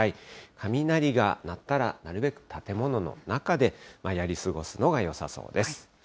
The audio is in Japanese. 雷が鳴ったら、なるべく建物の中でやり過ごすのがよさそうです。